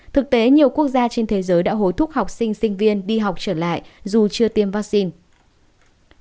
thực tế nhiều quốc gia trên thế giới đã hối thúc học sinh sinh viên đi học trở lại dù chưa tiêm vaccine